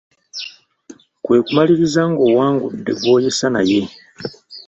Kwe kumaliriza ng’owangudde gw’oyesa naye.